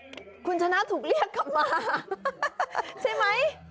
คุณชนะถูกเรียกกลับมาใช่ไหม